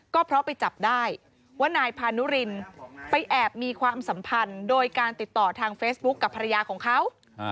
ก็เพราะไปจับได้ว่านายพานุรินไปแอบมีความสัมพันธ์โดยการติดต่อทางเฟซบุ๊คกับภรรยาของเขา